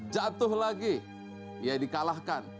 jatuh lagi ia dikalahkan